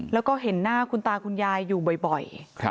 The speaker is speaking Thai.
แล้วก็เห็นหน้าคุณตาคุณยายอยู่บ่อย